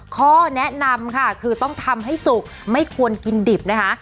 ข้อแนะนำค่ะคือต้องทำให้สุกไม่ควรกินดิบนะคะ